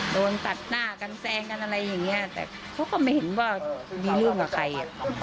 โดนตัดหน้ากันแซงกันอะไรอย่างเงี้ยแต่เขาก็ไม่เห็นว่ามีเรื่องกับใคร